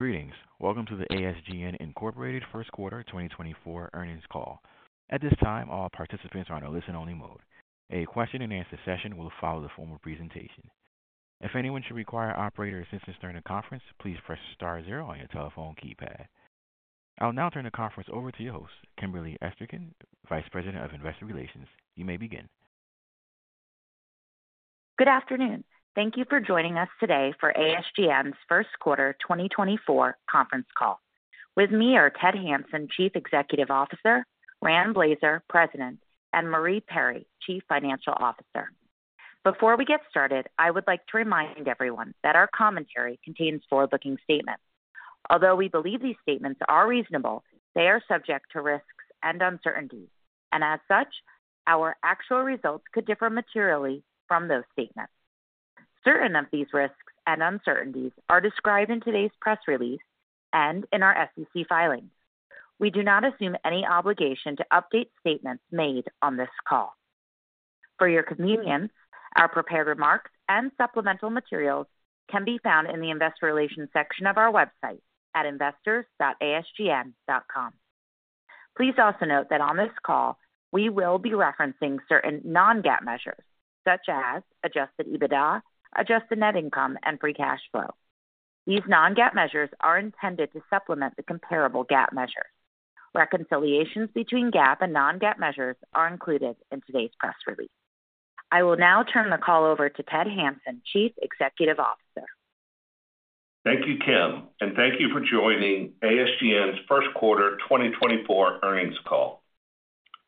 Greetings. Welcome to the ASGN Incorporated First Quarter 2024 earnings call. At this time, all participants are on a listen-only mode. A question-and-answer session will follow the formal presentation. If anyone should require operator assistance during the conference, please press star zero on your telephone keypad. I'll now turn the conference over to your host, Kimberly Esterkin, Vice President of Investor Relations. You may begin. Good afternoon. Thank you for joining us today for ASGN's first quarter, 2024 conference call. With me are Ted Hanson, Chief Executive Officer, Rand Blazer, President, and Marie Perry, Chief Financial Officer. Before we get started, I would like to remind everyone that our commentary contains forward-looking statements. Although we believe these statements are reasonable, they are subject to risks and uncertainties, and as such, our actual results could differ materially from those statements. Certain of these risks and uncertainties are described in today's press release and in our SEC filings. We do not assume any obligation to update statements made on this call. For your convenience, our prepared remarks and supplemental materials can be found in the Investor Relations section of our website at investors.asgn.com. Please also note that on this call, we will be referencing certain non-GAAP measures such as Adjusted EBITDA, Adjusted Net Income, and Free Cash Flow. These non-GAAP measures are intended to supplement the comparable GAAP measure. Reconciliations between GAAP and non-GAAP measures are included in today's press release. I will now turn the call over to Ted Hanson, Chief Executive Officer. Thank you, Kim, and thank you for joining ASGN's first quarter 2024 earnings call.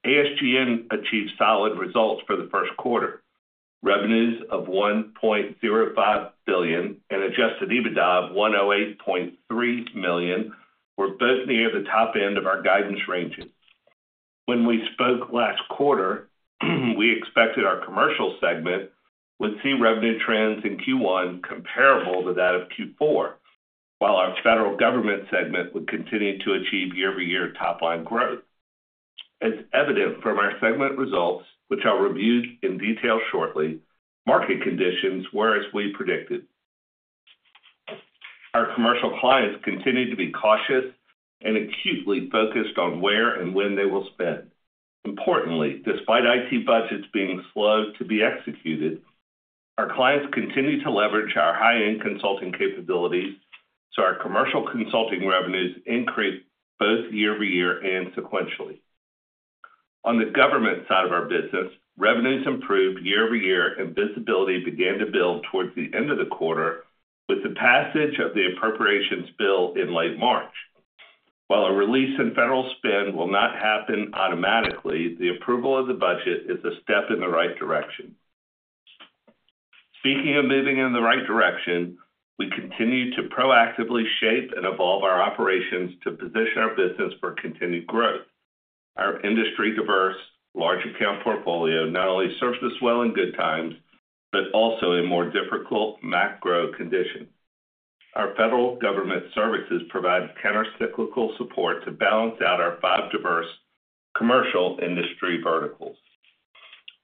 ASGN achieved solid results for the first quarter. Revenues of $1.05 billion and Adjusted EBITDA of $108.3 million were both near the top end of our guidance ranges. When we spoke last quarter, we expected our commercial segment would see revenue trends in Q1 comparable to that of Q4, while our federal government segment would continue to achieve year-over-year top-line growth. As evident from our segment results, which I'll review in detail shortly, market conditions were as we predicted. Our commercial clients continued to be cautious and acutely focused on where and when they will spend. Importantly, despite IT budgets being slow to be executed, our clients continued to leverage our high-end consulting capabilities, so our commercial consulting revenues increased both year-over-year and sequentially. On the government side of our business, revenues improved year-over-year, and visibility began to build towards the end of the quarter with the passage of the appropriations bill in late March. While a release in federal spend will not happen automatically, the approval of the budget is a step in the right direction. Speaking of moving in the right direction, we continue to proactively shape and evolve our operations to position our business for continued growth. Our industry-diverse, large account portfolio not only serves us well in good times, but also in more difficult macro conditions. Our federal government services provide countercyclical support to balance out our five diverse commercial industry verticals.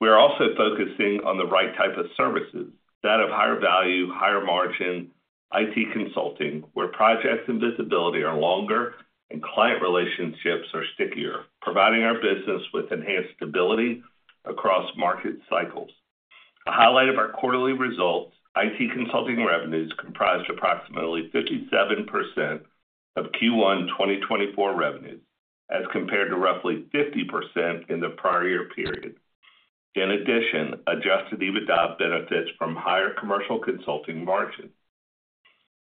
We are also focusing on the right type of services, that of higher value, higher margin, IT consulting, where projects and visibility are longer and client relationships are stickier, providing our business with enhanced stability across market cycles. A highlight of our quarterly results, IT consulting revenues comprised approximately 57% of Q1 2024 revenues, as compared to roughly 50% in the prior year period. In addition, Adjusted EBITDA benefits from higher commercial consulting margins.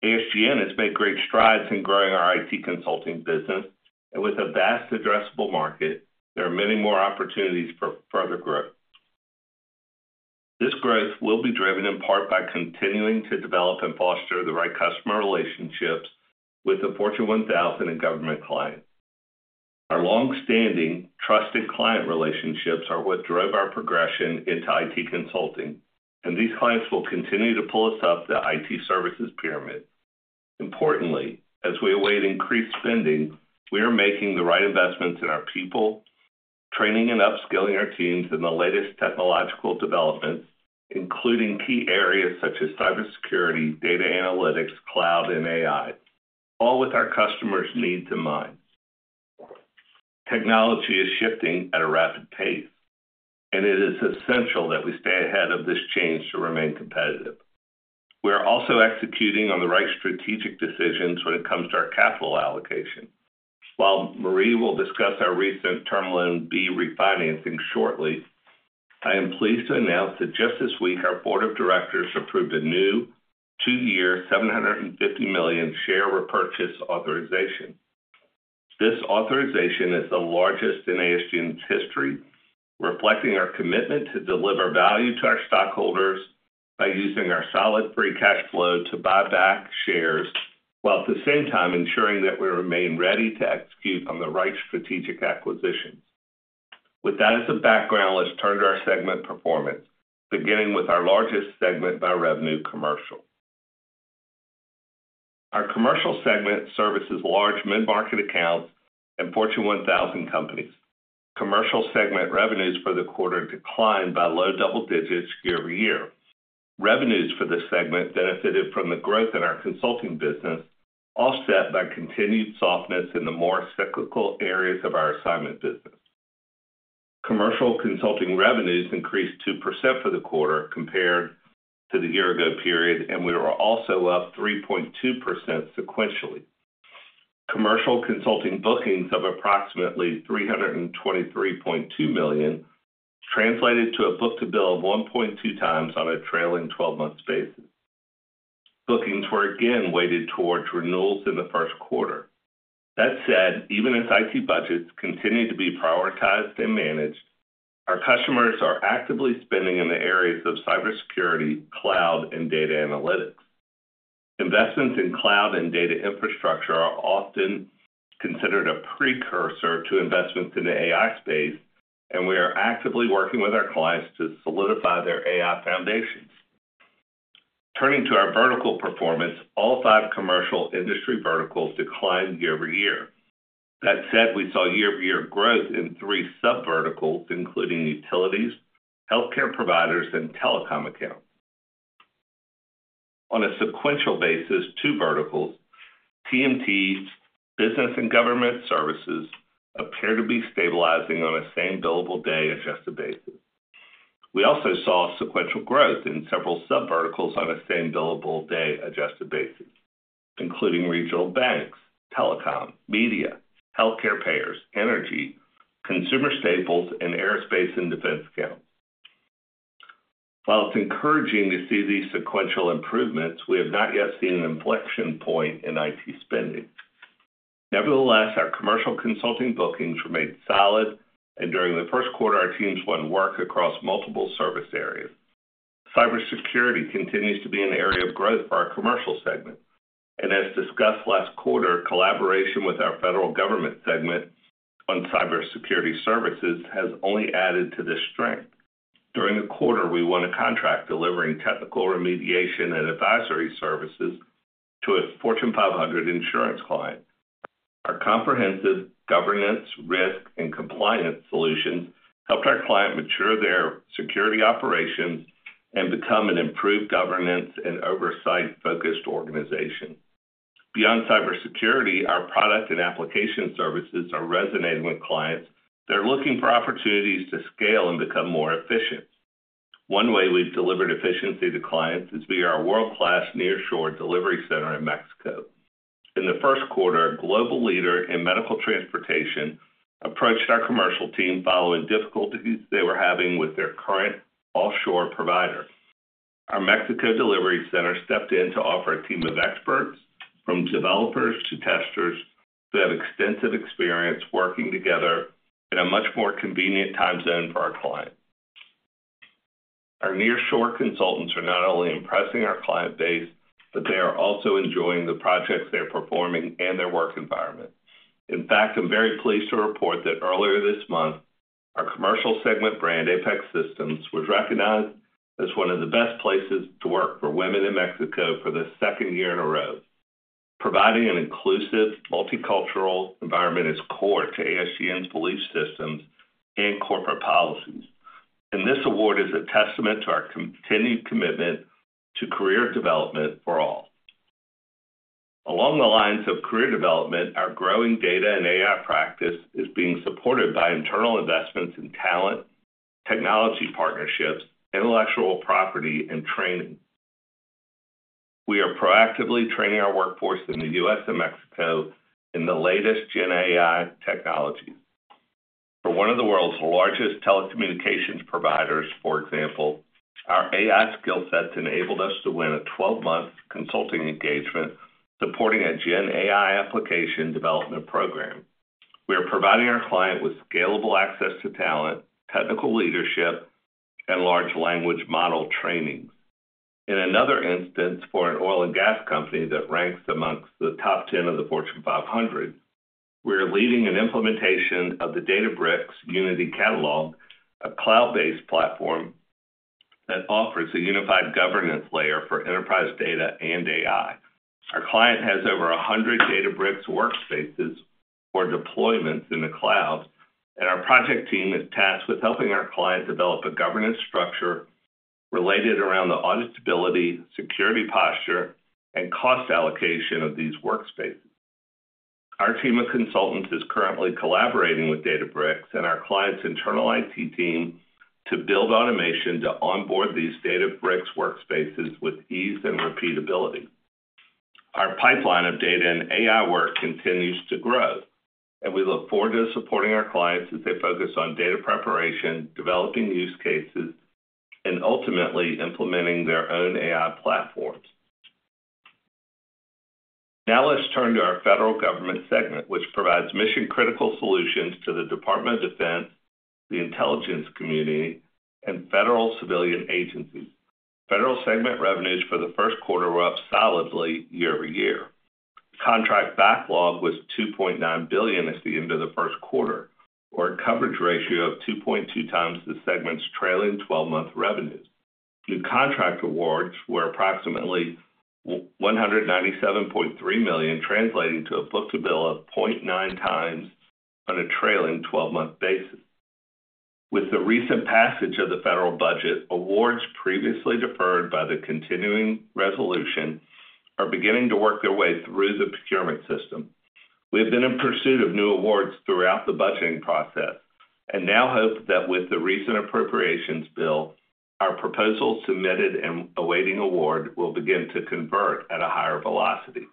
ASGN has made great strides in growing our IT consulting business, and with a vast addressable market, there are many more opportunities for further growth. This growth will be driven in part by continuing to develop and foster the right customer relationships with the Fortune 1000 and government clients. Our long-standing trusted client relationships are what drove our progression into IT consulting, and these clients will continue to pull us up the IT services pyramid. Importantly, as we await increased spending, we are making the right investments in our people, training and upskilling our teams in the latest technological developments, including key areas such as cybersecurity, data analytics, cloud, and AI, all with our customers' needs in mind. Technology is shifting at a rapid pace, and it is essential that we stay ahead of this change to remain competitive. We are also executing on the right strategic decisions when it comes to our capital allocation. While Marie will discuss our recent Term Loan B refinancing shortly, I am pleased to announce that just this week, our board of directors approved a new two-year, $750 million share repurchase authorization. This authorization is the largest in ASGN's history, reflecting our commitment to deliver value to our stockholders by using our solid free cash flow to buy back shares, while at the same time ensuring that we remain ready to execute on the right strategic acquisition. With that as a background, let's turn to our segment performance, beginning with our largest segment by revenue, commercial. Our commercial segment services large mid-market accounts and Fortune 1000 companies. Commercial segment revenues for the quarter declined by low double digits year-over-year. Revenues for this segment benefited from the growth in our consulting business, offset by continued softness in the more cyclical areas of our assignment business. Commercial consulting revenues increased 2% for the quarter compared to the year-ago period, and we were also up 3.2% sequentially. Commercial consulting bookings of approximately $323.2 million translated to a book-to-bill of 1.2x on a trailing 12-month basis. Bookings were again weighted towards renewals in the first quarter. That said, even as IT budgets continue to be prioritized and managed, our customers are actively spending in the areas of cybersecurity, cloud, and data analytics. Investments in cloud and data infrastructure are often considered a precursor to investments in the AI space, and we are actively working with our clients to solidify their AI foundations. Turning to our vertical performance, all 5 commercial industry verticals declined year-over-year. That said, we saw year-over-year growth in 3 subverticals, including utilities, healthcare providers, and telecom accounts. On a sequential basis, 2 verticals, TMT, Business and Government Services, appear to be stabilizing on a same billable day adjusted basis. We also saw sequential growth in several subverticals on a same billable day adjusted basis, including regional banks, telecom, media, healthcare payers, energy, consumer staples, and aerospace and defense accounts. While it's encouraging to see these sequential improvements, we have not yet seen an inflection point in IT spending. Nevertheless, our commercial consulting bookings remained solid, and during the first quarter, our teams won work across multiple service areas. Cybersecurity continues to be an area of growth for our commercial segment, and as discussed last quarter, collaboration with our federal government segment on cybersecurity services has only added to this strength. During the quarter, we won a contract delivering technical remediation and advisory services to a Fortune 500 insurance client. Our comprehensive governance, risk, and compliance solution helped our client mature their security operations and become an improved governance and oversight-focused organization. Beyond cybersecurity, our product and application services are resonating with clients that are looking for opportunities to scale and become more efficient. One way we've delivered efficiency to clients is via our world-class nearshore delivery center in Mexico. In the first quarter, a global leader in medical transportation approached our commercial team following difficulties they were having with their current offshore provider. Our Mexico delivery center stepped in to offer a team of experts, from developers to testers, who have extensive experience working together in a much more convenient time zone for our client. Our nearshore consultants are not only impressing our client base, but they are also enjoying the projects they're performing and their work environment. In fact, I'm very pleased to report that earlier this month, our commercial segment brand, Apex Systems, was recognized as one of the best places to work for women in Mexico for the second year in a row. Providing an inclusive, multicultural environment is core to ASGN's belief systems and corporate policies, and this award is a testament to our continued commitment to career development for all. Along the lines of career development, our growing data and AI practice is being supported by internal investments in talent, technology partnerships, intellectual property, and training. We are proactively training our workforce in the U.S. and Mexico in the latest GenAI technologies. For one of the world's largest telecommunications providers, for example, our AI skill sets enabled us to win a 12-month consulting engagement supporting a GenAI application development program. We are providing our client with scalable access to talent, technical leadership, and large language model trainings. In another instance, for an oil and gas company that ranks amongst the top 10 of the Fortune 500, we are leading an implementation of the Databricks Unity Catalog, a cloud-based platform that offers a unified governance layer for enterprise data and AI. Our client has over 100 Databricks workspaces for deployments in the cloud, and our project team is tasked with helping our client develop a governance structure related around the auditability, security posture, and cost allocation of these workspaces. Our team of consultants is currently collaborating with Databricks and our client's internal IT team to build automation to onboard these Databricks workspaces with ease and repeatability. Our pipeline of data and AI work continues to grow, and we look forward to supporting our clients as they focus on data preparation, developing use cases, and ultimately implementing their own AI platforms. Now, let's turn to our federal government segment, which provides mission-critical solutions to the Department of Defense, the intelligence community, and federal civilian agencies. Federal segment revenues for the first quarter were up solidly year-over-year. Contract backlog was $2.9 billion at the end of the first quarter, or a coverage ratio of 2.2x the segment's trailing 12-month revenues. New contract awards were approximately one hundred and ninety-seven point three million, translating to a book-to-bill of 0.9x on a trailing 12-month basis. With the recent passage of the federal budget, awards previously deferred by the continuing resolution are beginning to work their way through the procurement system. We have been in pursuit of new awards throughout the budgeting process, and now hope that with the recent appropriations bill, our proposals submitted and awaiting award will begin to convert at a higher velocity.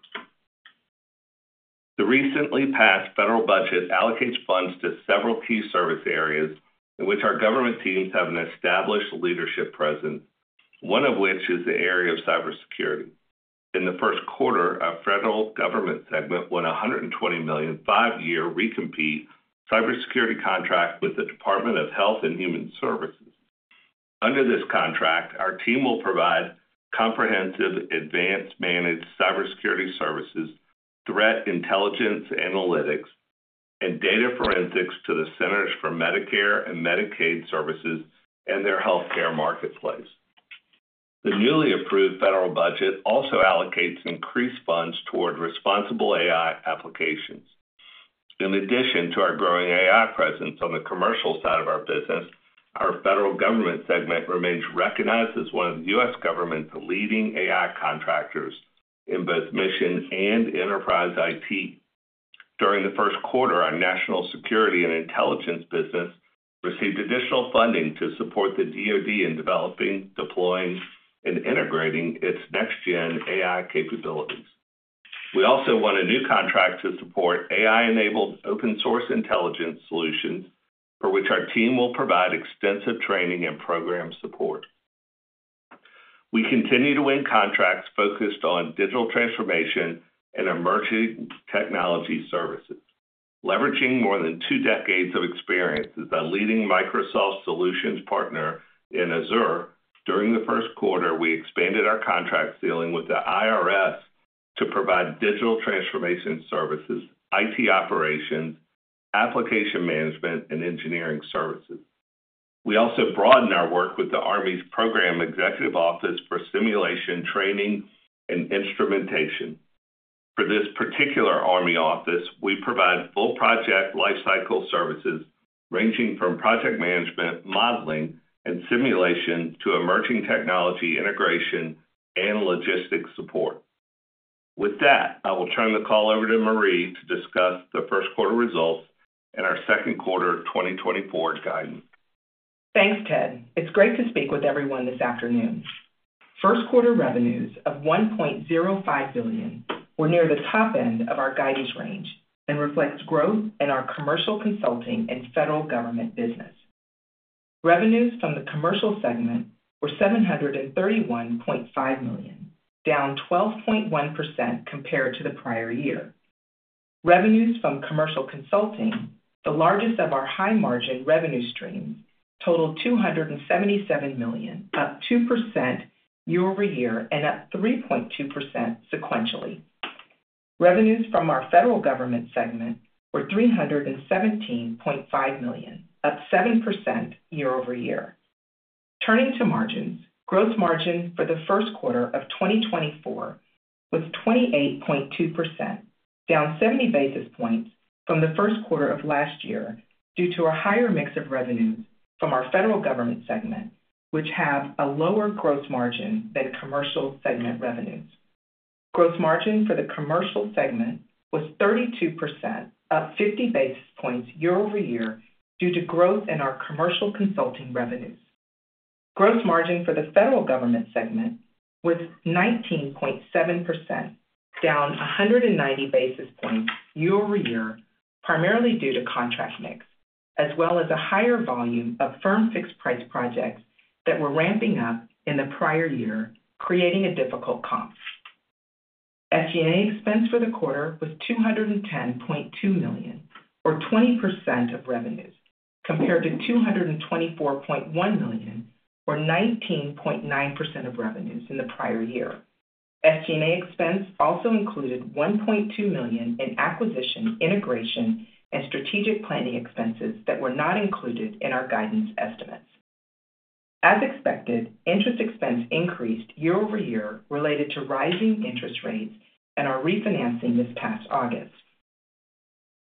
The recently passed federal budget allocates funds to several key service areas in which our government teams have an established leadership presence, one of which is the area of cybersecurity. In the first quarter, our federal government segment won $120 million, five-year re-compete cybersecurity contract with the Department of Health and Human Services. Under this contract, our team will provide comprehensive advanced managed cybersecurity services, threat intelligence analytics, and data forensics to the Centers for Medicare and Medicaid Services and their healthcare marketplace. The newly approved federal budget also allocates increased funds toward responsible AI applications. In addition to our growing AI presence on the commercial side of our business, our federal government segment remains recognized as one of the U.S. government's leading AI contractors in both mission and enterprise IT. During the first quarter, our national security and intelligence business received additional funding to support the DoD in developing, deploying, and integrating its next-gen AI capabilities. We also won a new contract to support AI-enabled open-source intelligence solutions, for which our team will provide extensive training and program support. We continue to win contracts focused on digital transformation and emerging technology services, leveraging more than two decades of experience as a leading Microsoft solutions partner in Azure. During the first quarter, we expanded our contract ceiling with the IRS to provide digital transformation services, IT operations, application management, and engineering services. We also broadened our work with the Army's Program Executive Office for Simulation, Training, and Instrumentation. For this particular Army office, we provide full project lifecycle services, ranging from project management, modeling, and simulation, to emerging technology integration and logistics support. With that, I will turn the call over to Marie to discuss the first quarter results and our second quarter 2024 guidance. Thanks, Ted. It's great to speak with everyone this afternoon. First quarter revenues of $1.05 billion were near the top end of our guidance range and reflects growth in our commercial consulting and federal government business. Revenues from the commercial segment were $731.5 million, down 12.1% compared to the prior year. Revenues from commercial consulting, the largest of our high-margin revenue streams, totaled $277 million, up 2% YoY and up 3.2% sequentially. Revenues from our federal government segment were $317.5 million, up 7% YoY. Turning to margins. Gross margin for the first quarter of 2024 was 28.2%, down 70 basis points from the first quarter of last year due to a higher mix of revenues from our federal government segment, which have a lower gross margin than commercial segment revenues. Gross margin for the commercial segment was 32%, up 50 basis points year-over-year, due to growth in our commercial consulting revenues. Gross margin for the federal government segment was 19.7%, down 190 basis points year-over-year, primarily due to contract mix, as well as a higher volume of firm fixed-price projects that were ramping up in the prior year, creating a difficult comp. SG&A expense for the quarter was $210.2 million, or 20% of revenues, compared to $224.1 million, or 19.9% of revenues in the prior year. SG&A expense also included $1.2 million in acquisition, integration, and strategic planning expenses that were not included in our guidance estimates. As expected, interest expense increased year-over-year related to rising interest rates and our refinancing this past August.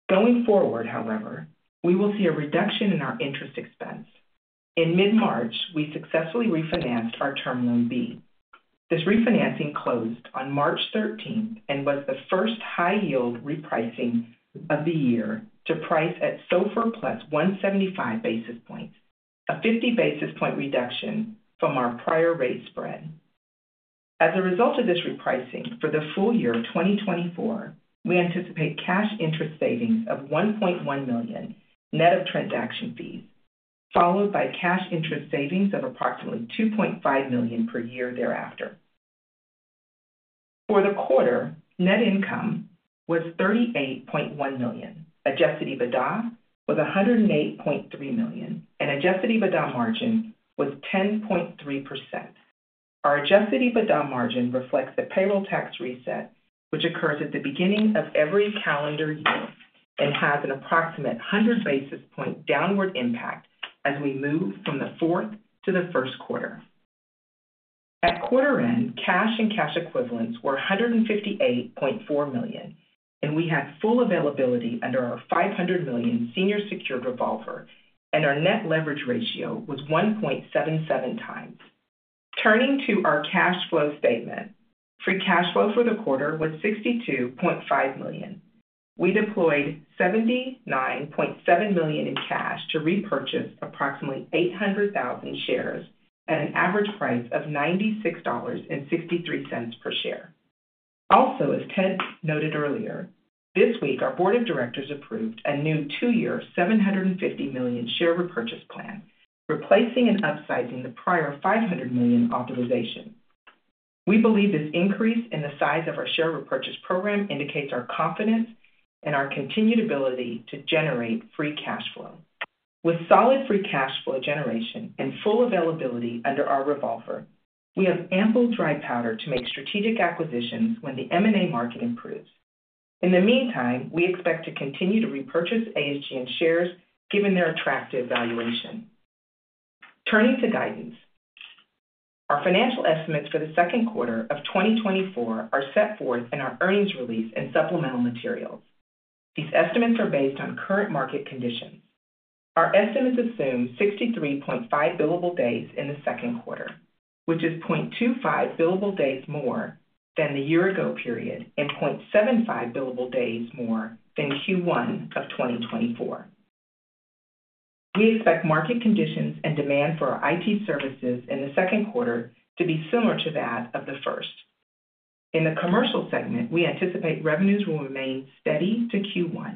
Going forward, however, we will see a reduction in our interest expense. In mid-March, we successfully refinanced our Term Loan B. This refinancing closed on March thirteenth and was the first high-yield repricing of the year to price at SOFR plus 175 basis points, a 50 basis point reduction from our prior rate spread. As a result of this repricing, for the full year of 2024, we anticipate cash interest savings of $1.1 million, net of transaction fees, followed by cash interest savings of approximately $2.5 million per year thereafter. For the quarter, net income was $38.1 million, adjusted EBITDA was $108.3 million, and adjusted EBITDA margin was 10.3%. Our adjusted EBITDA margin reflects the payroll tax reset, which occurs at the beginning of every calendar year and has an approximate 100 basis point downward impact as we move from the fourth to the first quarter. At quarter end, cash and cash equivalents were $158.4 million, and we had full availability under our $500 million senior secured revolver, and our net leverage ratio was 1.77x. Turning to our cash flow statement. Free cash flow for the quarter was $62.5 million. We deployed $79.7 million in cash to repurchase approximately 800,000 shares at an average price of $96.63 per share. Also, as Ted noted earlier, this week, our board of directors approved a new two-year, $750 million share repurchase plan, replacing and upsizing the prior $500 million authorization. We believe this increase in the size of our share repurchase program indicates our confidence and our continued ability to generate free cash flow. With solid free cash flow generation and full availability under our revolver, we have ample dry powder to make strategic acquisitions when the M&A market improves. In the meantime, we expect to continue to repurchase ASGN shares, given their attractive valuation. Turning to guidance. Our financial estimates for the second quarter of 2024 are set forth in our earnings release and supplemental materials. These estimates are based on current market conditions. Our estimates assume 63.5 billable days in the second quarter, which is 0.25 billable days more than the year ago period and 0.75 billable days more than Q1 of 2024. We expect market conditions and demand for our IT services in the second quarter to be similar to that of the first. In the commercial segment, we anticipate revenues will remain steady to Q1,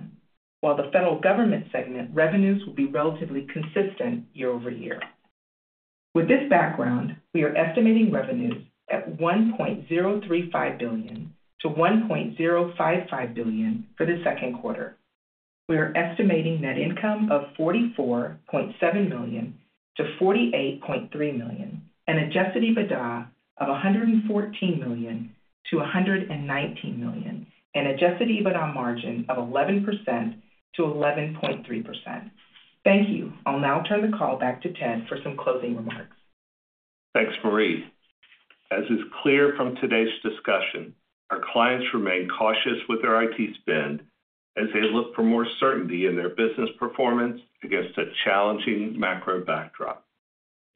while the federal government segment revenues will be relatively consistent year-over-year. With this background, we are estimating revenues at $1.035 billion-$1.055 billion for the second quarter. We are estimating net income of $44.7 million-$48.3 million, an Adjusted EBITDA of $114 million-$119 million, an Adjusted EBITDA margin of 11%-11.3%. Thank you. I'll now turn the call back to Ted for some closing remarks. Thanks, Marie. As is clear from today's discussion, our clients remain cautious with their IT spend as they look for more certainty in their business performance against a challenging macro backdrop.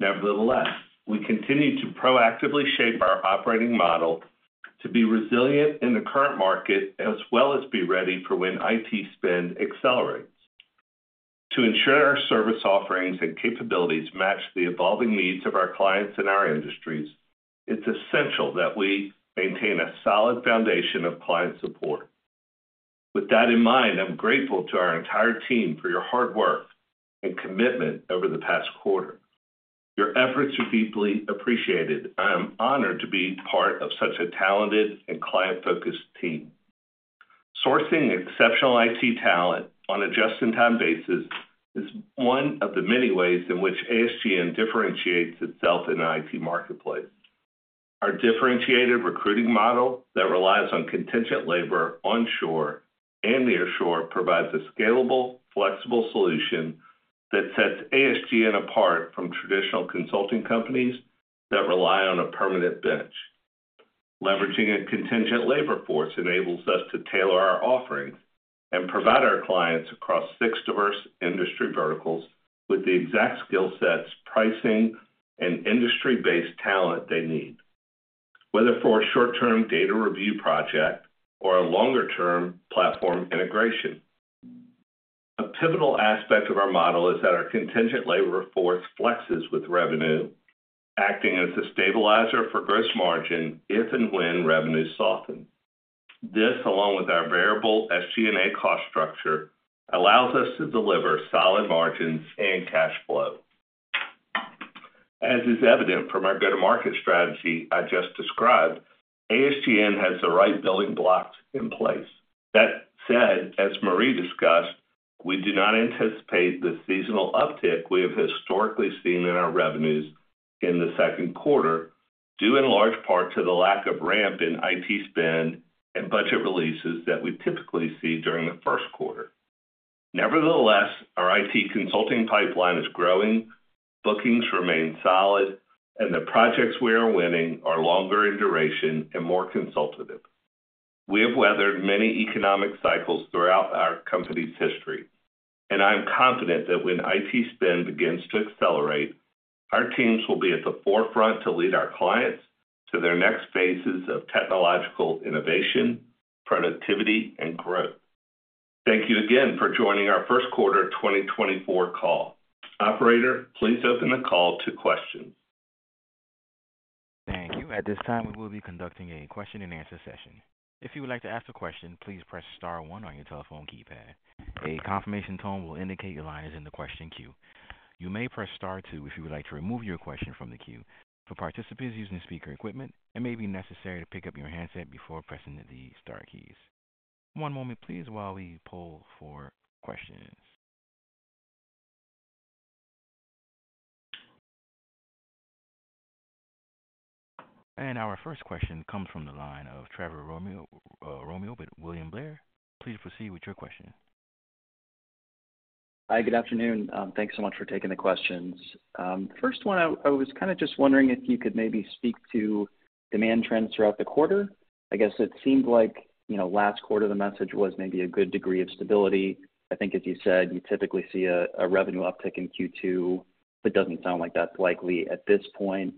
Nevertheless, we continue to proactively shape our operating model to be resilient in the current market, as well as be ready for when IT spend accelerates. To ensure our service offerings and capabilities match the evolving needs of our clients and our industries, it's essential that we maintain a solid foundation of client support. With that in mind, I'm grateful to our entire team for your hard work and commitment over the past quarter. Your efforts are deeply appreciated. I am honored to be part of such a talented and client-focused team. Sourcing exceptional IT talent on a just-in-time basis is one of the many ways in which ASGN differentiates itself in the IT marketplace. Our differentiated recruiting model that relies on contingent labor, onshore and nearshore, provides a scalable, flexible solution that sets ASGN apart from traditional consulting companies that rely on a permanent bench. Leveraging a contingent labor force enables us to tailor our offerings and provide our clients across six diverse industry verticals with the exact skill sets, pricing, and industry-based talent they need, whether for a short-term data review project or a longer-term platform integration. A pivotal aspect of our model is that our contingent labor force flexes with revenue, acting as a stabilizer for gross margin if and when revenues soften. This, along with our variable SG&A cost structure, allows us to deliver solid margins and cash flow. As is evident from our go-to-market strategy I just described, ASGN has the right building blocks in place. That said, as Marie discussed, we do not anticipate the seasonal uptick we have historically seen in our revenues in the second quarter, due in large part to the lack of ramp in IT spend and budget releases that we typically see during the first quarter. Nevertheless, our IT consulting pipeline is growing, bookings remain solid, and the projects we are winning are longer in duration and more consultative. We have weathered many economic cycles throughout our company's history, and I am confident that when IT spend begins to accelerate, our teams will be at the forefront to lead our clients to their next phases of technological innovation, productivity, and growth. Thank you again for joining our first quarter 2024 call. Operator, please open the call to questions. Thank you. At this time, we will be conducting a question-and-answer session. If you would like to ask a question, please press star one on your telephone keypad. A confirmation tone will indicate your line is in the question queue. You may press star two if you would like to remove your question from the queue. For participants using the speaker equipment, it may be necessary to pick up your handset before pressing the star keys. One moment, please, while we pull for questions.... And our first question comes from the line of Trevor Romeo with William Blair. Please proceed with your question. Hi, good afternoon. Thanks so much for taking the questions. First one, I was kind of just wondering if you could maybe speak to demand trends throughout the quarter. I guess it seemed like, you know, last quarter, the message was maybe a good degree of stability. I think as you said, you typically see a revenue uptick in Q2. It doesn't sound like that's likely at this point.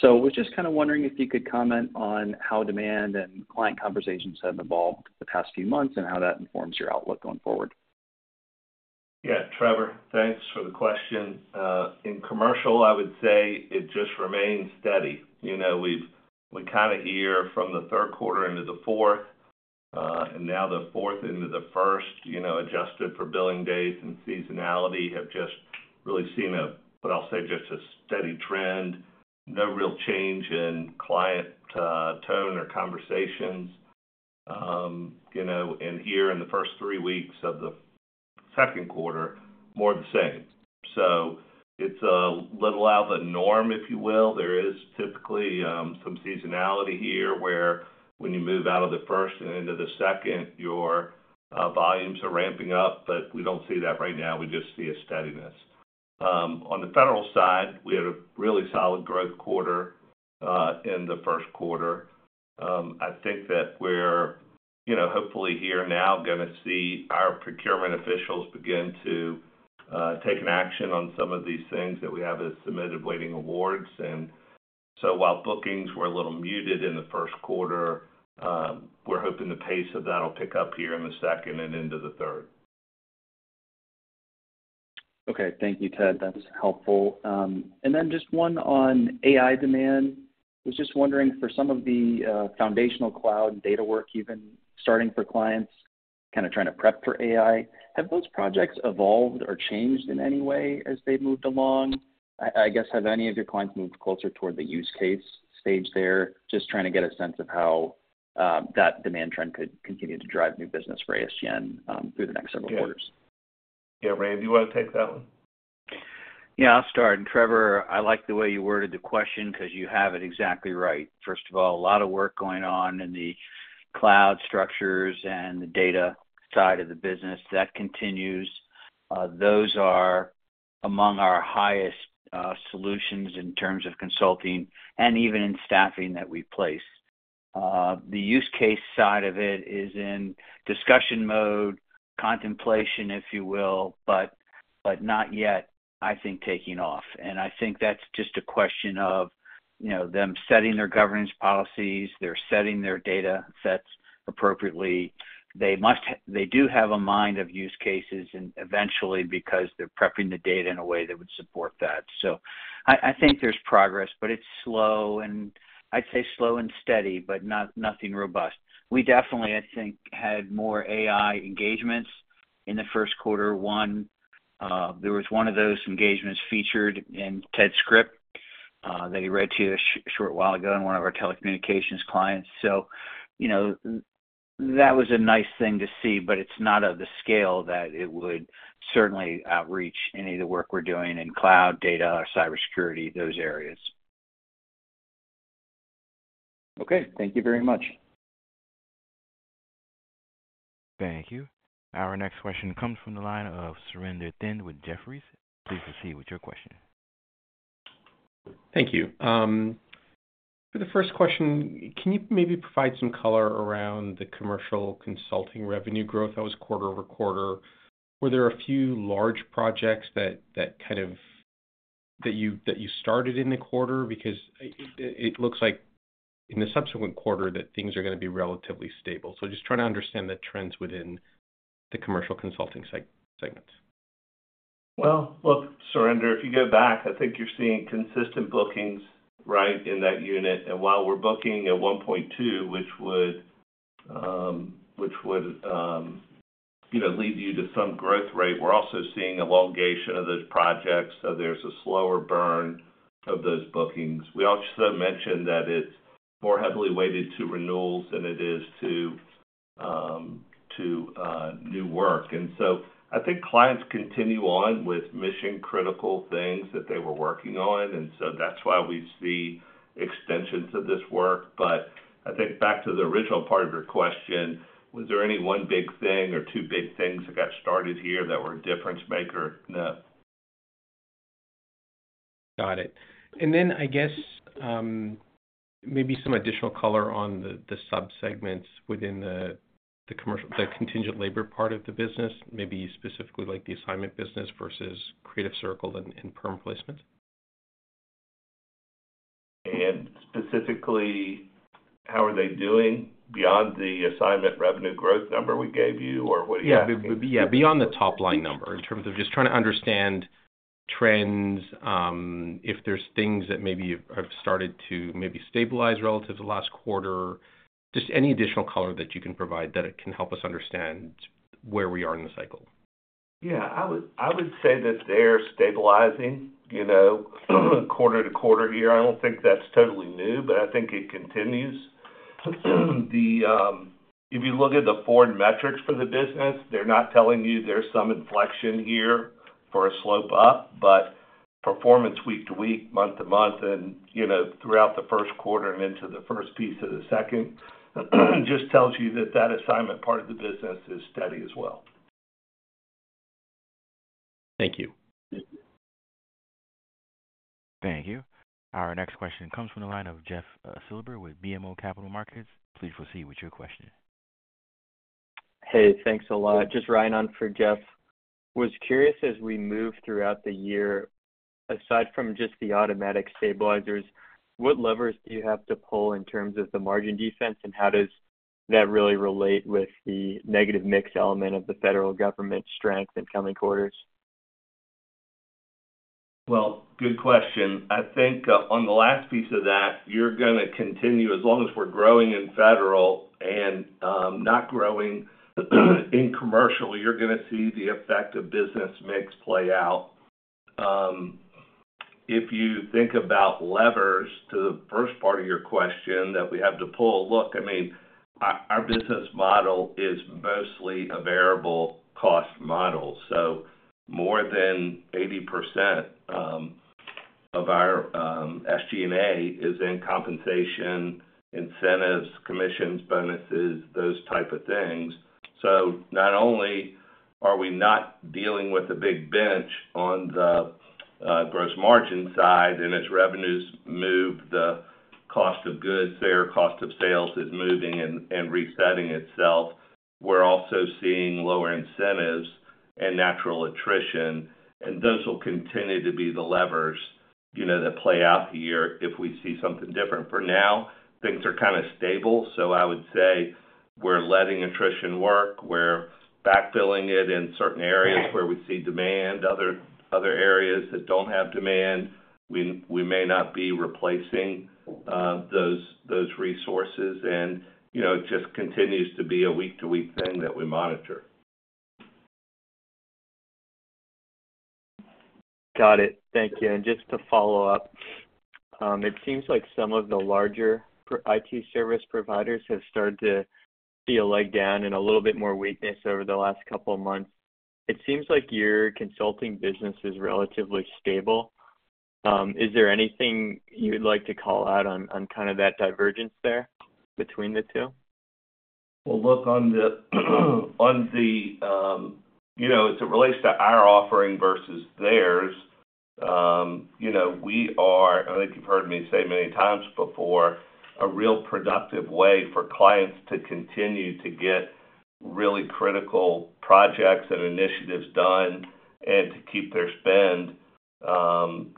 So I was just kind of wondering if you could comment on how demand and client conversations have evolved the past few months, and how that informs your outlook going forward. Yeah, Trevor, thanks for the question. In commercial, I would say it just remains steady. You know, we kind of hear from the third quarter into the fourth, and now the fourth into the first, you know, adjusted for billing days and seasonality, have just really seen a, what I'll say, just a steady trend. No real change in client tone or conversations. You know, and here in the first three weeks of the second quarter, more of the same. So it's little out of the norm, if you will. There is typically some seasonality here, where when you move out of the first and into the second, your volumes are ramping up, but we don't see that right now. We just see a steadiness. On the federal side, we had a really solid growth quarter in the first quarter. I think that we're, you know, hopefully here now gonna see our procurement officials begin to take an action on some of these things that we have as submitted waiting awards. And so while bookings were a little muted in the first quarter, we're hoping the pace of that will pick up here in the second and into the third. Okay. Thank you, Ted. That's helpful. And then just one on AI demand. I was just wondering, for some of the foundational cloud data work you've been starting for clients, kind of trying to prep for AI, have those projects evolved or changed in any way as they've moved along? I guess, have any of your clients moved closer toward the use case stage there? Just trying to get a sense of how that demand trend could continue to drive new business for ASGN through the next several quarters. Yeah, Rand, do you want to take that one? Yeah, I'll start. Trevor, I like the way you worded the question, 'cause you have it exactly right. First of all, a lot of work going on in the cloud structures and the data side of the business. That continues. Those are among our highest solutions in terms of consulting and even in staffing that we place. The use case side of it is in discussion mode, contemplation, if you will, but, but not yet, I think, taking off. And I think that's just a question of, you know, them setting their governance policies, they're setting their data sets appropriately. They do have a mind of use cases and eventually, because they're prepping the data in a way that would support that. So I think there's progress, but it's slow, and I'd say slow and steady, but nothing robust. We definitely, I think, had more AI engagements in the first quarter. One, there was one of those engagements featured in Ted's script, that he read to you a short while ago in one of our telecommunications clients. So, you know, that was a nice thing to see, but it's not of the scale that it would certainly outreach any of the work we're doing in cloud, data, or cybersecurity, those areas. Okay, thank you very much. Thank you. Our next question comes from the line of Surinder Thind with Jefferies. Please proceed with your question. Thank you. For the first question, can you maybe provide some color around the commercial consulting revenue growth that was quarter-over-quarter? Were there a few large projects that kind of you started in the quarter? Because it looks like in the subsequent quarter, that things are going to be relatively stable. So just trying to understand the trends within the commercial consulting segments. Well, look, Surinder, if you go back, I think you're seeing consistent bookings, right, in that unit. And while we're booking at 1.2, which would, which would, you know, lead you to some growth rate, we're also seeing elongation of those projects, so there's a slower burn of those bookings. We also mentioned that it's more heavily weighted to renewals than it is to, to, new work. And so I think clients continue on with mission-critical things that they were working on, and so that's why we see extensions of this work. But I think back to the original part of your question, was there any one big thing or two big things that got started here that were a difference maker? No. Got it. And then, I guess, maybe some additional color on the subsegments within the commercial... The contingent labor part of the business, maybe specifically like the assignment business versus Creative Circle and perm placement. Specifically, how are they doing beyond the assignment revenue growth number we gave you, or what are you- Yeah, yeah, beyond the top-line number, in terms of just trying to understand trends, if there's things that maybe have started to maybe stabilize relative to last quarter. Just any additional color that you can provide, that it can help us understand where we are in the cycle. Yeah, I would, I would say that they're stabilizing, you know, quarter to quarter here. I don't think that's totally new, but I think it continues. The, if you look at the forward metrics for the business, they're not telling you there's some inflection here for a slope up, but performance week to week, month to month, and, you know, throughout the first quarter and into the first piece of the second, just tells you that that assignment part of the business is steady as well. Thank you. Thank you. Our next question comes from the line of Jeff Silber with BMO Capital Markets. Please proceed with your question. Hey, thanks a lot. Just Ryan on for Jeff. Was curious, as we move throughout the year, aside from just the automatic stabilizers, what levers do you have to pull in terms of the margin defense? And how does that really relate with the negative mix element of the federal government strength in coming quarters? Well, good question. I think, on the last piece of that, you're gonna continue, as long as we're growing in federal and not growing in commercial, you're gonna see the effect of business mix play out. If you think about levers, to the first part of your question, that we have to pull, look, I mean, our business model is mostly a variable cost model. So more than 80% of our SG&A is in compensation, incentives, commissions, bonuses, those type of things. So not only are we not dealing with a big bench on the gross margin side, and as revenues move, the cost of goods, fair cost of sales is moving and resetting itself. We're also seeing lower incentives and natural attrition, and those will continue to be the levers, you know, that play out the year if we see something different. For now, things are kind of stable, so I would say we're letting attrition work, we're backfilling it in certain areas where we see demand. Other areas that don't have demand, we may not be replacing those resources. You know, it just continues to be a week-to-week thing that we monitor. Got it. Thank you. Just to follow up, it seems like some of the larger IT service providers have started to see a leg down and a little bit more weakness over the last couple of months. It seems like your consulting business is relatively stable. Is there anything you'd like to call out on kind of that divergence there between the two? Well, look, on the, you know, as it relates to our offering versus theirs, you know, we are, I think you've heard me say many times before, a real productive way for clients to continue to get really critical projects and initiatives done and to keep their spend,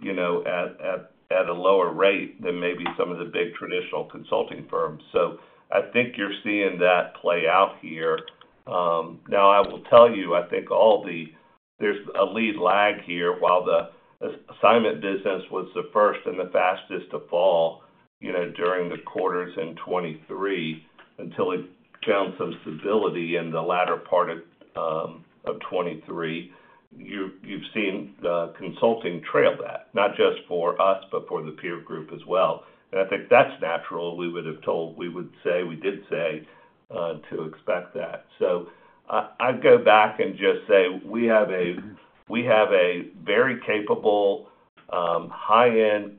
you know, at a lower rate than maybe some of the big traditional consulting firms. So I think you're seeing that play out here. Now, I will tell you, I think all the, there's a lead lag here. While the assignment business was the first and the fastest to fall, you know, during the quarters in 2023, until it found some stability in the latter part of 2023, you've seen the consulting trail that, not just for us, but for the peer group as well. And I think that's natural. We would have told... We would say, we did say, to expect that. So I, I'd go back and just say, we have a, we have a very capable, high-end,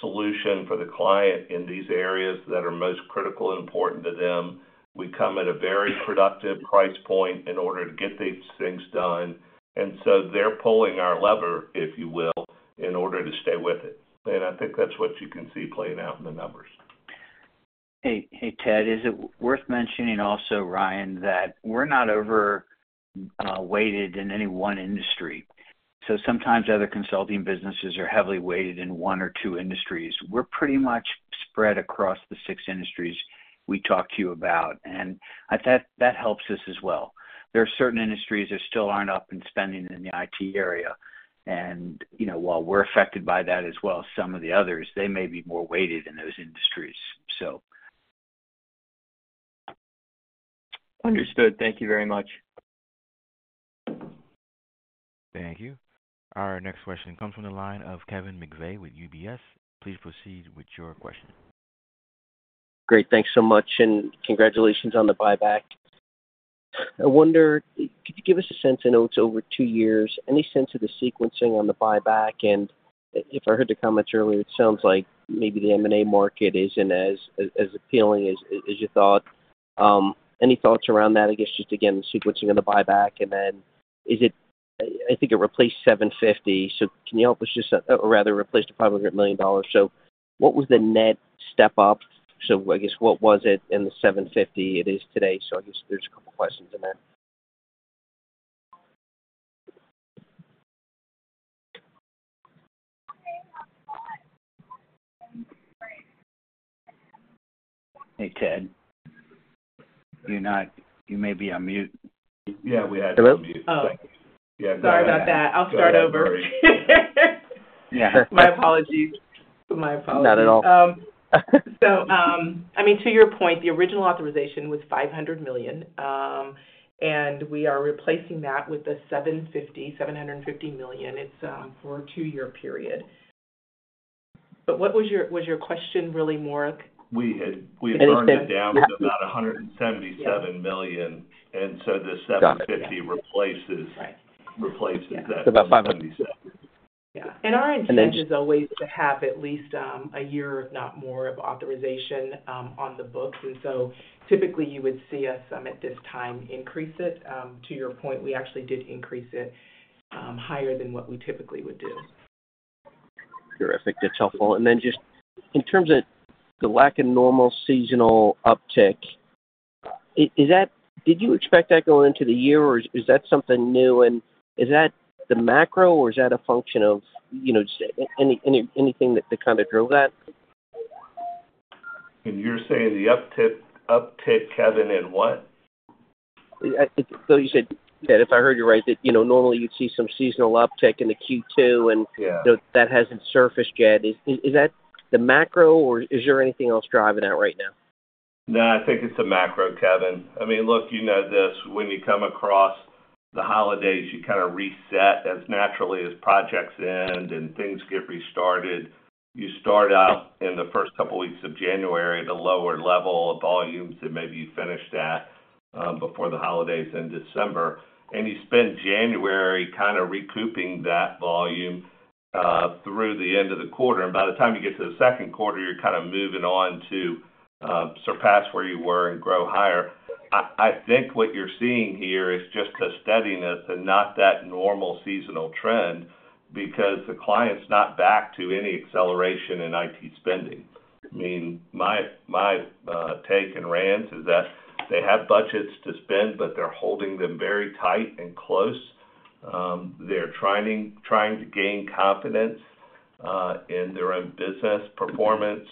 solution for the client in these areas that are most critical and important to them. We come at a very productive price point in order to get these things done, and so they're pulling our lever, if you will, in order to stay with it. And I think that's what you can see playing out in the numbers. Hey, hey, Ted. Is it worth mentioning also, Ryan, that we're not over weighted in any one industry? So sometimes other consulting businesses are heavily weighted in one or two industries. We're pretty much spread across the six industries we talked to you about, and I think that helps us as well. There are certain industries that still aren't up in spending in the IT area, and, you know, while we're affected by that as well, some of the others, they may be more weighted in those industries, so. Understood. Thank you very much. Thank you. Our next question comes from the line of Kevin McVeigh with UBS. Please proceed with your question. Great. Thanks so much, and congratulations on the buyback. I wonder, could you give us a sense, I know it's over two years, any sense of the sequencing on the buyback? And if I heard the comments earlier, it sounds like maybe the M&A market isn't as, as appealing as, as you thought. Any thoughts around that? I guess, just again, the sequencing of the buyback, and then is it... I think it replaced $750, so can you help us just, or rather replaced a $500 million. So what was the net step up? So I guess, what was it in the $750 it is today? So I guess there's a couple questions in that. Hey, Ted, you're not, you may be on mute. Yeah, we had you on mute. Hello? Oh, sorry about that. I'll start over. Yeah. My apologies. My apologies. Not at all. So, I mean, to your point, the original authorization was $500 million, and we are replacing that with the $ 750, $750 million. It's for a two-year period. But what was your question really more? We had burned it down to about $177 million, and so the $750 million replaces- Got it. Replaces that. About $177 million. Yeah. And our intent is always to have at least a year, if not more, of authorization on the books. And so typically you would see us at this time increase it. To your point, we actually did increase it higher than what we typically would do. Terrific. That's helpful. And then just in terms of the lack of normal seasonal uptick, is that, did you expect that going into the year, or is that something new, and is that the macro, or is that a function of, you know, just anything that kind of drove that? You're saying the uptick, Kevin, in what? So, you said that if I heard you right, that, you know, normally you'd see some seasonal uptick in the Q2, and- Yeah. that hasn't surfaced yet. Is that the macro, or is there anything else driving that right now? No, I think it's the macro, Kevin. I mean, look, you know this. When you come across the holidays, you kind of reset as naturally as projects end and things get restarted. You start out in the first couple of weeks of January at a lower level of volumes than maybe you finished at before the holidays in December, and you spend January kind of recouping that volume through the end of the quarter. By the time you get to the second quarter, you're kind of moving on to surpass where you were and grow higher. I think what you're seeing here is just the steadiness and not that normal seasonal trend, because the client's not back to any acceleration in IT spending. I mean, my take on trends is that they have budgets to spend, but they're holding them very tight and close. They're trying to gain confidence in their own business performance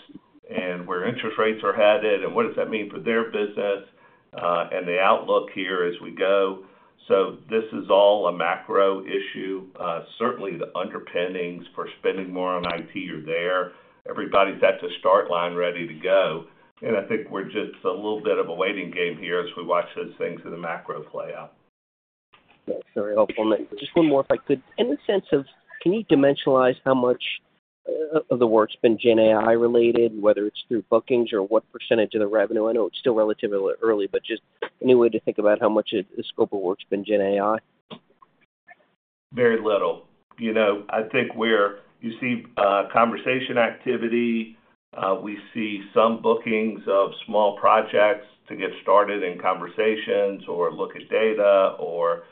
and where interest rates are headed and what does that mean for their business, and the outlook here as we go. So this is all a macro issue. Certainly, the underpinnings for spending more on IT are there. Everybody's at the start line, ready to go, and I think we're just a little bit of a waiting game here as we watch those things in the macro play out. That's very helpful. And then just one more, if I could. In the sense of, can you dimensionalize how much of the work's been GenAI related, whether it's through bookings or what percentage of the revenue? I know it's still relatively early, but just any way to think about how much of the scope of work's been GenAI? Very little. You know, I think we're, you see, conversation activity, we see some bookings of small projects to get started in conversations or look at data or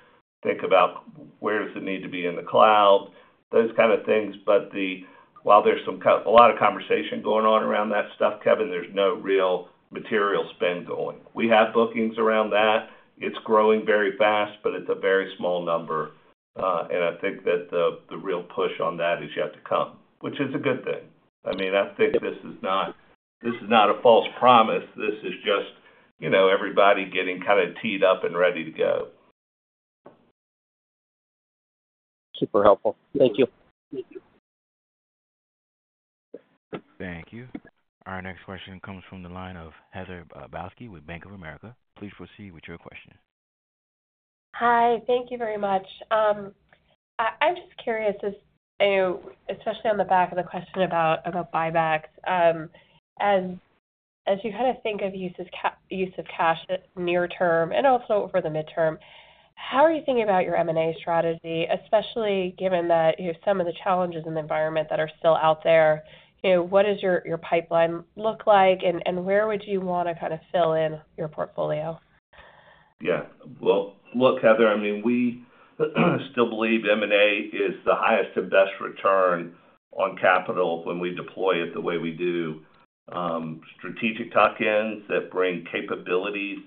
think about where does it need to be in the cloud, those kind of things. But while there's some conversation, a lot of conversation going on around that stuff, Kevin, there's no real material spend going. We have bookings around that. It's growing very fast, but it's a very small number. And I think that the real push on that is yet to come, which is a good thing. I mean, I think this is not, this is not a false promise. This is just, you know, everybody getting kind of teed up and ready to go. Super helpful. Thank you. Thank you. Thank you. Our next question comes from the line of Heather Balsky with Bank of America. Please proceed with your question. Hi, thank you very much. I'm just curious, especially on the back of the question about buybacks. As you kind of think of use of cash near term and also for the midterm, how are you thinking about your M&A strategy, especially given that, you know, some of the challenges in the environment that are still out there? You know, what does your pipeline look like, and where would you want to kind of fill in your portfolio? Yeah. Well, look, Heather, I mean, we still believe M&A is the highest and best return on capital when we deploy it the way we do. Strategic tuck-ins that bring capabilities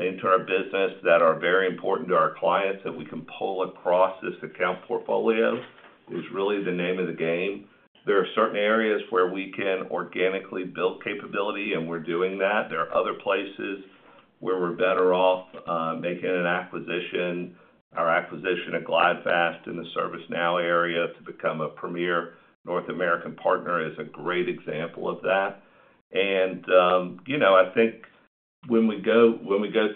into our business that are very important to our clients, that we can pull across this account portfolio is really the name of the game. There are certain areas where we can organically build capability, and we're doing that. There are other places where we're better off, making an acquisition. Our acquisition at GlideFast in the ServiceNow area to become a premier North American partner is a great example of that. You know, I think when we go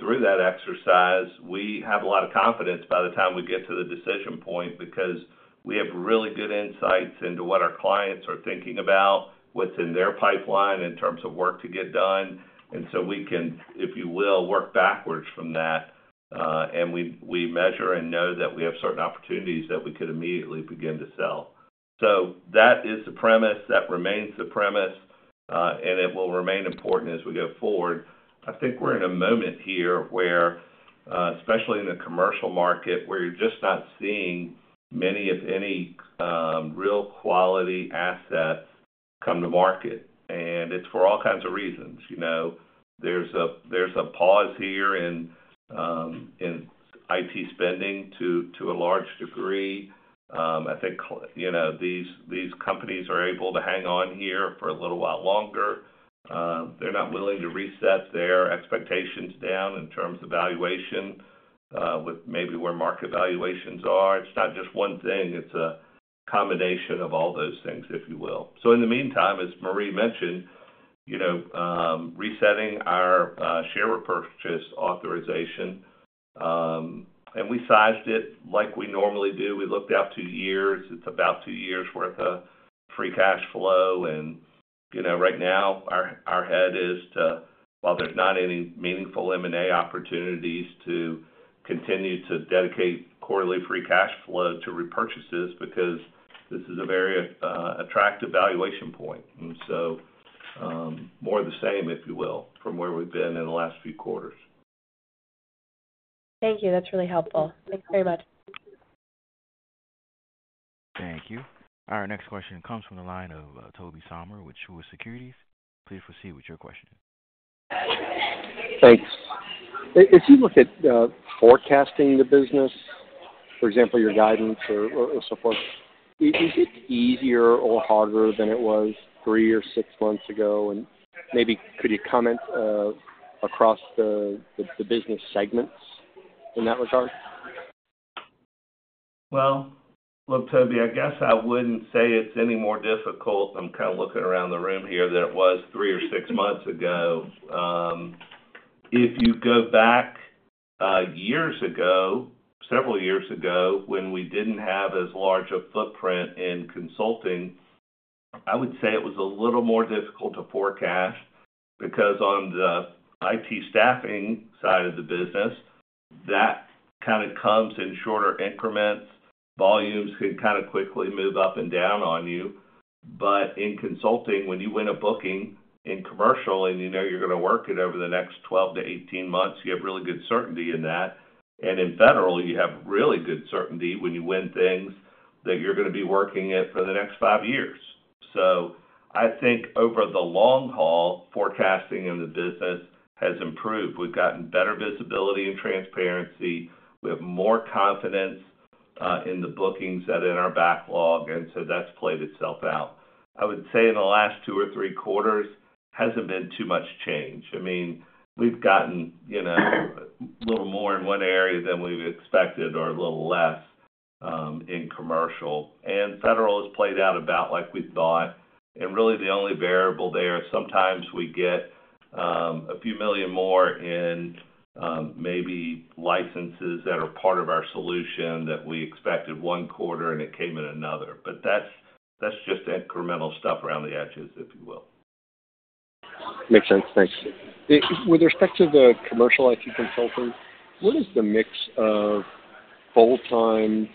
through that exercise, we have a lot of confidence by the time we get to the decision point, because we have really good insights into what our clients are thinking about, what's in their pipeline in terms of work to get done. And so we can, if you will, work backwards from that, and we measure and know that we have certain opportunities that we could immediately begin to sell. So that is the premise. That remains the premise, and it will remain important as we go forward. I think we're in a moment here where, especially in the commercial market, where you're just not seeing many of any real quality assets come to market. And it's for all kinds of reasons. You know, there's a pause here in IT spending to a large degree. I think you know, these companies are able to hang on here for a little while longer. They're not willing to reset their expectations down in terms of valuation with maybe where market valuations are. It's not just one thing, it's a combination of all those things, if you will. So in the meantime, as Marie mentioned, you know, resetting our share repurchase authorization. And we sized it like we normally do. We looked out two years. It's about two years' worth of free cash flow. And, you know, right now, our head is to, while there's not any meaningful M&A opportunities, to continue to dedicate quarterly free cash flow to repurchases because this is a very attractive valuation point. More of the same, if you will, from where we've been in the last few quarters. Thank you. That's really helpful. Thanks very much. Thank you. Our next question comes from the line of Tobey Sommer with Truist Securities. Please proceed with your question. Thanks. As you look at, forecasting the business, for example, your guidance or, or so forth, is it easier or harder than it was three or six months ago? And maybe could you comment, across the, the business segments in that regard? Well, look, Tobey, I guess I wouldn't say it's any more difficult, I'm kind of looking around the room here, than it was 3 or 6 months ago. If you go back, years ago, several years ago, when we didn't have as large a footprint in consulting, I would say it was a little more difficult to forecast, because on the IT staffing side of the business, that kind of comes in shorter increments. Volumes can kind of quickly move up and down on you. But in consulting, when you win a booking in commercial, and you know you're going to work it over the next 12-18 months, you have really good certainty in that. And in federal, you have really good certainty when you win things that you're going to be working it for the next 5 years. So I think over the long haul, forecasting in the business has improved. We've gotten better visibility and transparency. We have more confidence in the bookings that are in our backlog, and so that's played itself out. I would say in the last two or three quarters, hasn't been too much change. I mean, we've gotten, you know, a little more in one area than we've expected or a little less in commercial, and federal has played out about like we thought. And really, the only variable there, sometimes we get a few million more in, maybe licenses that are part of our solution that we expected one quarter and it came in another. But that's, that's just incremental stuff around the edges, if you will. Makes sense. Thanks. With respect to the commercial IT consulting, what is the mix of full-time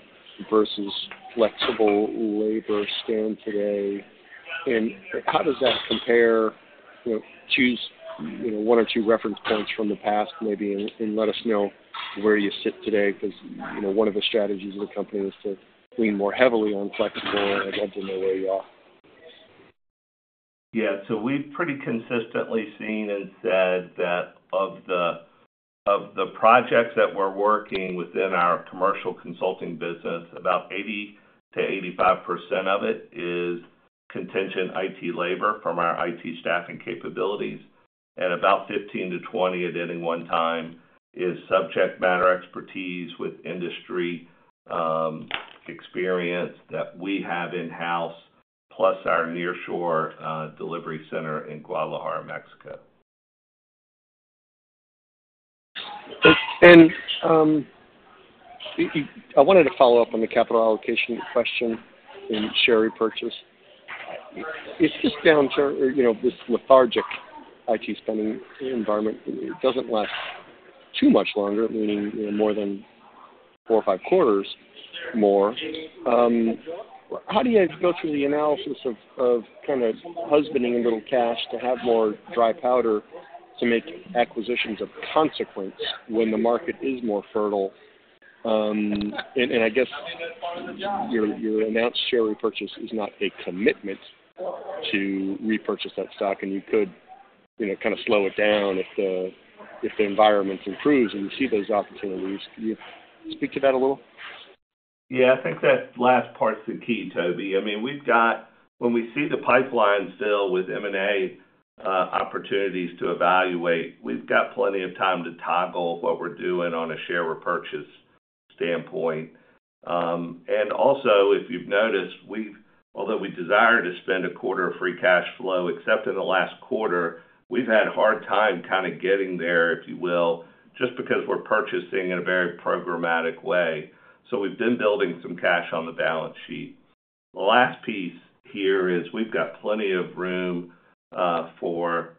versus flexible labor stands today? And how does that compare, you know, choose, you know, one or two reference points from the past, maybe, and let us know where you sit today, 'cause, you know, one of the strategies of the company is to lean more heavily on flexible, and I'd love to know where you are. Yeah, so we've pretty consistently seen and said that of the, of the projects that we're working within our commercial consulting business, about 80%-85% of it is contingent IT labor from our IT staffing capabilities, and about 15-20 at any one time is subject matter expertise with industry, experience that we have in-house, plus our nearshore, delivery center in Guadalajara, Mexico. I wanted to follow up on the capital allocation question in share repurchase. If this downturn, you know, this lethargic IT spending environment doesn't last too much longer, meaning more than four or five quarters more, how do you go through the analysis of kind of husbanding a little cash to have more dry powder to make acquisitions of consequence when the market is more fertile? And I guess your announced share repurchase is not a commitment to repurchase that stock, and you could, you know, kind of slow it down if the environment improves and you see those opportunities. Can you speak to that a little? Yeah, I think that last part's the key, Tobey. I mean, we've got, when we see the pipeline still with M&A opportunities to evaluate, we've got plenty of time to toggle what we're doing on a share repurchase standpoint. And also, if you've noticed, we've, although we desire to spend a quarter of free cash flow, except in the last quarter, we've had a hard time kind of getting there, if you will, just because we're purchasing in a very programmatic way. So we've been building some cash on the balance sheet. The last piece here is we've got plenty of room for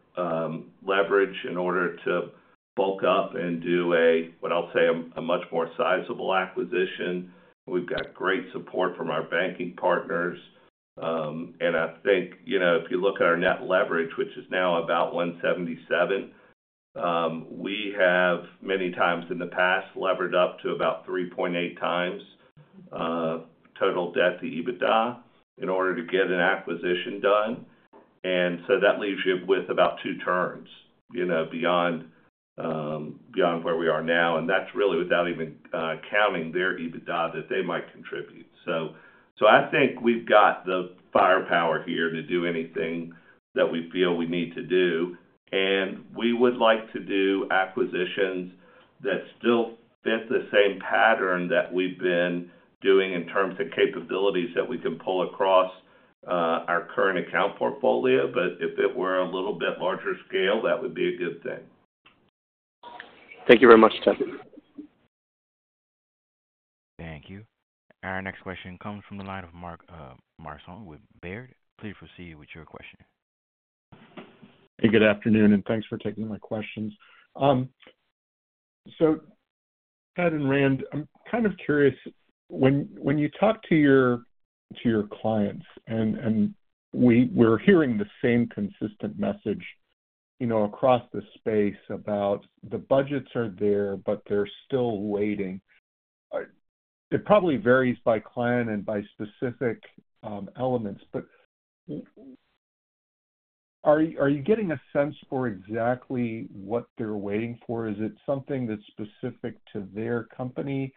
leverage in order to bulk up and do a, what I'll say, a much more sizable acquisition. We've got great support from our banking partners. And I think, you know, if you look at our net leverage, which is now about 1.77, we have many times in the past levered up to about 3.8x total debt to EBITDA in order to get an acquisition done. And so that leaves you with about two turns, you know, beyond beyond where we are now, and that's really without even counting their EBITDA that they might contribute. So I think we've got the firepower here to do anything that we feel we need to do... and we would like to do acquisitions that still fit the same pattern that we've been doing in terms of capabilities that we can pull across our current account portfolio. But if it were a little bit larger scale, that would be a good thing. Thank you very much, Ted. Thank you. Our next question comes from the line of Mark Marcon with Baird. Please proceed with your question. Hey, good afternoon, and thanks for taking my questions. So Ted and Rand, I'm kind of curious, when you talk to your clients, and we're hearing the same consistent message, you know, across the space about the budgets are there, but they're still waiting. It probably varies by client and by specific elements, but are you getting a sense for exactly what they're waiting for? Is it something that's specific to their company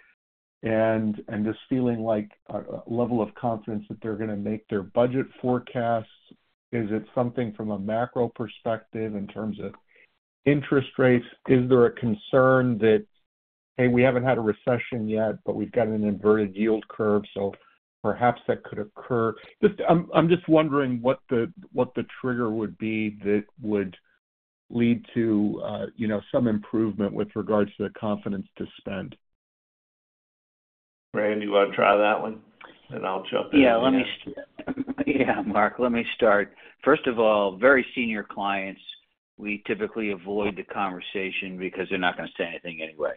and just feeling like a level of confidence that they're gonna make their budget forecasts? Is it something from a macro perspective in terms of interest rates? Is there a concern that, hey, we haven't had a recession yet, but we've got an inverted yield curve, so perhaps that could occur? Just, I'm just wondering what the trigger would be that would lead to, you know, some improvement with regards to the confidence to spend? Rand, you wanna try that one, and I'll jump in? Yeah, let me, yeah, Mark, let me start. First of all, very senior clients, we typically avoid the conversation because they're not gonna say anything anyway.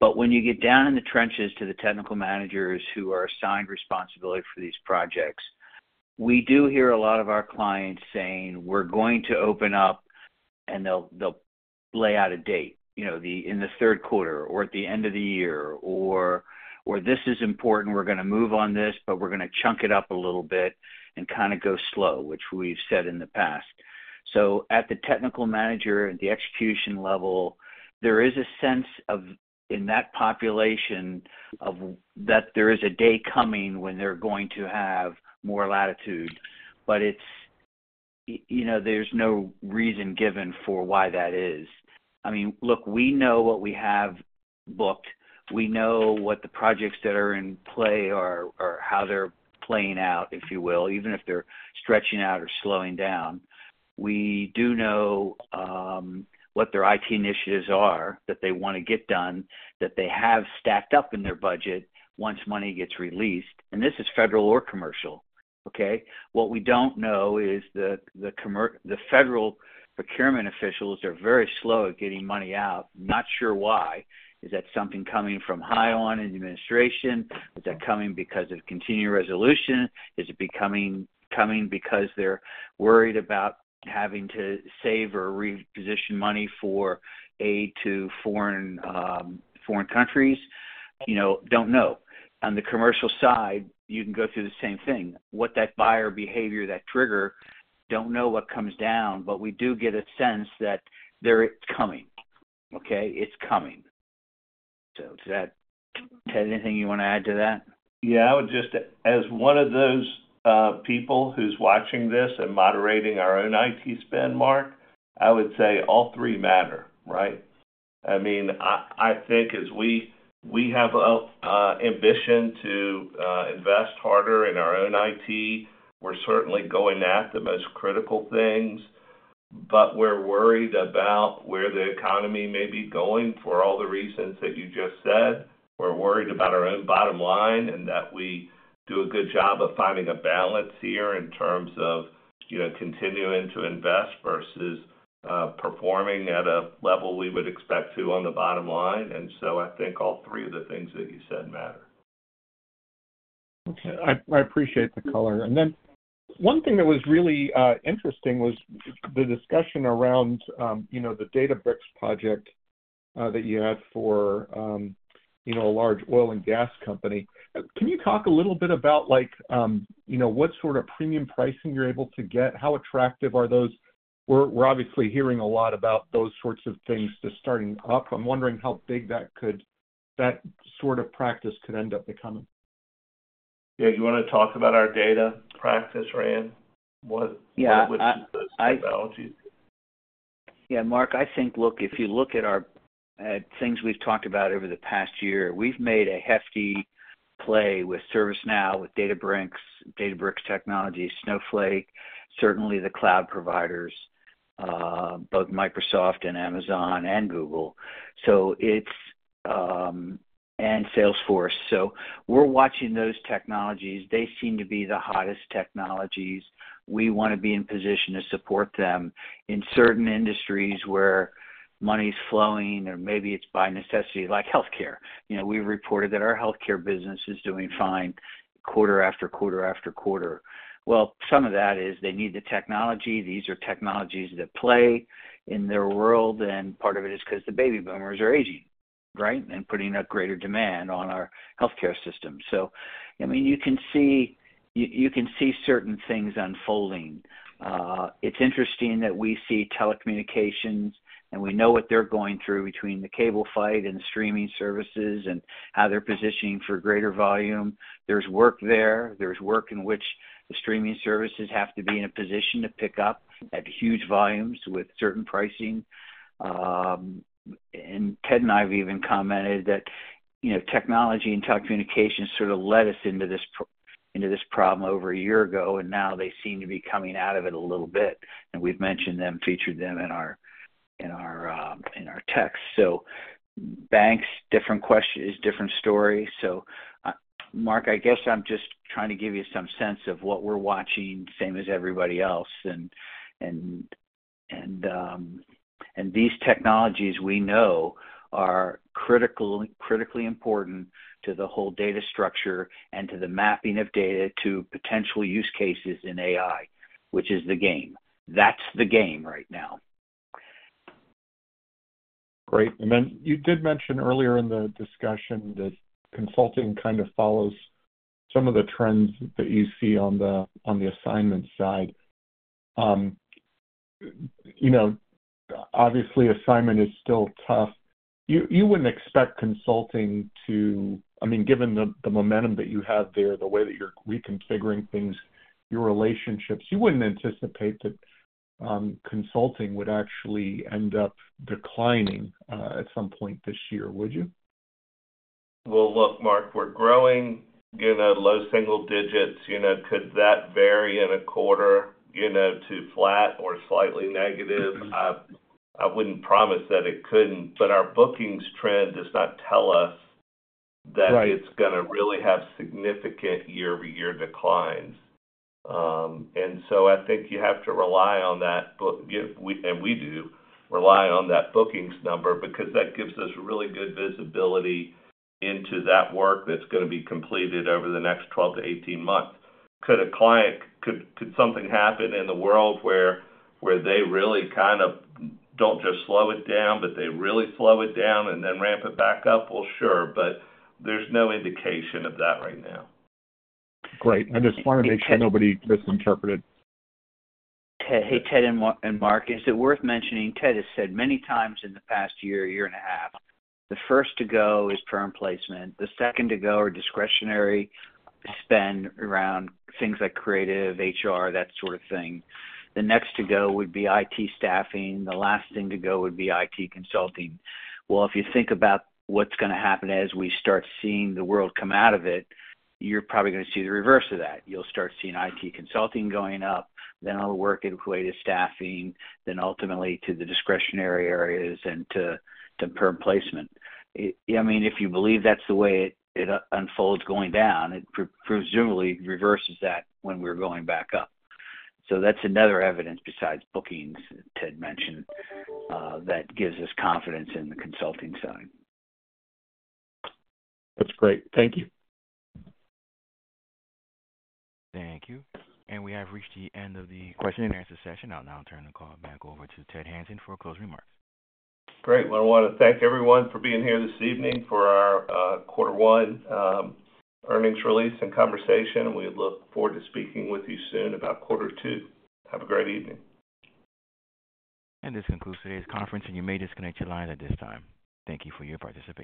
But when you get down in the trenches to the technical managers who are assigned responsibility for these projects, we do hear a lot of our clients saying, "We're going to open up," and they'll, they'll lay out a date, you know, the, in the third quarter or at the end of the year, or, or this is important, we're gonna move on this, but we're gonna chunk it up a little bit and kind of go slow, which we've said in the past. So at the technical manager, at the execution level, there is a sense of, in that population, of, that there is a day coming when they're going to have more latitude. But it's... You know, there's no reason given for why that is. I mean, look, we know what we have booked. We know what the projects that are in play are, or how they're playing out, if you will, even if they're stretching out or slowing down. We do know what their IT initiatives are that they wanna get done, that they have stacked up in their budget once money gets released, and this is federal or commercial, okay? What we don't know is the federal procurement officials are very slow at getting money out. Not sure why. Is that something coming from high on in the administration? Is that coming because of continuing resolution? Is it coming because they're worried about having to save or reposition money for aid to foreign countries? You know, don't know. On the commercial side, you can go through the same thing. What that buyer behavior, that trigger, don't know what comes down, but we do get a sense that they're, it's coming, okay? It's coming. So does that... Ted, anything you want to add to that? Yeah, I would just, as one of those people who's watching this and moderating our own IT spend, Mark, I would say all three matter, right? I mean, I think as we have a ambition to invest harder in our own IT. We're certainly going after the most critical things, but we're worried about where the economy may be going for all the reasons that you just said. We're worried about our own bottom line and that we do a good job of finding a balance here in terms of, you know, continuing to invest versus performing at a level we would expect to on the bottom line, and so I think all three of the things that you said matter. Okay. I appreciate the color. And then one thing that was really interesting was the discussion around, you know, the Databricks project that you had for, you know, a large oil and gas company. Can you talk a little bit about like, you know, what sort of premium pricing you're able to get? How attractive are those? We're obviously hearing a lot about those sorts of things just starting up. I'm wondering how big that could, that sort of practice could end up becoming. Yeah, you wanna talk about our data practice, Rand? What- Yeah. What technologies? Yeah, Mark, I think, look, if you look at our, at things we've talked about over the past year, we've made a hefty play with ServiceNow, with Databricks, Databricks technology, Snowflake, certainly the cloud providers, both Microsoft and Amazon and Google, so it's, and Salesforce. So we're watching those technologies. They seem to be the hottest technologies. We wanna be in position to support them in certain industries where money's flowing, or maybe it's by necessity, like healthcare. You know, we've reported that our healthcare business is doing fine quarter after quarter after quarter. Well, some of that is they need the technology. These are technologies that play in their world, and part of it is 'cause the baby boomers are aging, right, and putting a greater demand on our healthcare system. So, I mean, you can see, you, you can see certain things unfolding. It's interesting that we see telecommunications, and we know what they're going through between the cable fight and streaming services and how they're positioning for greater volume. There's work there. There's work in which streaming services have to be in a position to pick up at huge volumes with certain pricing. And Ted and I have even commented that, you know, technology and telecommunications sort of led us into this problem over a year ago, and now they seem to be coming out of it a little bit. And we've mentioned them, featured them in our text. So banks, different questions, different story. So, Mark, I guess I'm just trying to give you some sense of what we're watching, same as everybody else. And these technologies we know are critical, critically important to the whole data structure and to the mapping of data to potential use cases in AI, which is the game. That's the game right now. Great. And then you did mention earlier in the discussion that consulting kind of follows some of the trends that you see on the assignment side. You know, obviously, assignment is still tough. You wouldn't expect consulting to... I mean, given the momentum that you have there, the way that you're reconfiguring things, your relationships, you wouldn't anticipate that consulting would actually end up declining at some point this year, would you? Well, look, Mark, we're growing in a low single digits, you know, could that vary in a quarter, you know, to flat or slightly negative? I wouldn't promise that it couldn't, but our bookings trend does not tell us- Right. that it's gonna really have significant year-over-year declines. And so I think you have to rely on that, but we do rely on that bookings number because that gives us really good visibility into that work that's gonna be completed over the next 12-18 months. Could a client something happen in the world where they really kind of don't just slow it down, but they really slow it down and then ramp it back up? Well, sure, but there's no indication of that right now. Great. I just wanted to make sure nobody misinterpreted. Hey, Ted and Mark, is it worth mentioning? Ted has said many times in the past year, year and a half, the first to go is perm placement. The second to go are discretionary spend around things like creative, HR, that sort of thing. The next to go would be IT staffing. The last thing to go would be IT consulting. Well, if you think about what's gonna happen as we start seeing the world come out of it, you're probably gonna see the reverse of that. You'll start seeing IT consulting going up, then it'll work in creative staffing, then ultimately to the discretionary areas and to perm placement. I mean, if you believe that's the way it unfolds going down, it presumably reverses that when we're going back up. That's another evidence besides bookings, Ted mentioned, that gives us confidence in the consulting side. That's great. Thank you. Thank you. We have reached the end of the question and answer session. I'll now turn the call back over to Ted Hanson for closing remarks. Great. Well, I wanna thank everyone for being here this evening for our quarter one earnings release and conversation, and we look forward to speaking with you soon about quarter two. Have a great evening. This concludes today's conference, and you may disconnect your line at this time. Thank you for your participation.